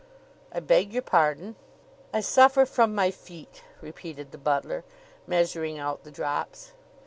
"I beg your pardon?" "I suffer from my feet," repeated the butler, measuring out the drops.